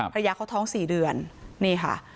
ภรรยาเขาท้อง๔เดือนนี่ค่ะ